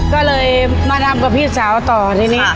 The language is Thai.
ก็เลยมาทำกับพี่สาวต่อทีนี้